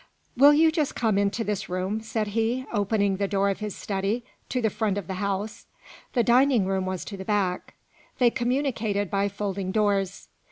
"Will you just come into this room?" said he, opening the door of his study, to the front of the house: the dining room was to the back; they communicated by folding doors.